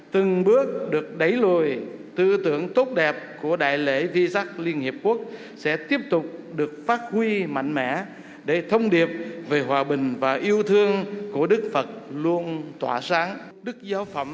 từng bước được đẩy lùi tư tưởng tốt đẹp của đại lễ vi giác liên hợp quốc sẽ tiếp tục được phát huy mạnh mẽ để thông điệp về hòa bình và yêu thương của đức phật luôn tỏa sáng